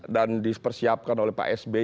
dan dipersiapkan oleh pak s b